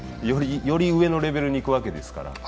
より上のレベルにいくわけですから。